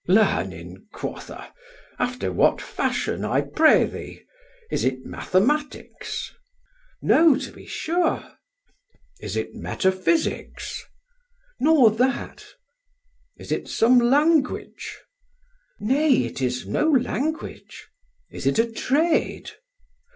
"Learning, quotha! After what fashion, I pray thee? Is it mathematics?" "No, to be sure." "Is it metaphysics?" "Nor that." "Is it some language?" "Nay, it is no language." "Is it a trade?"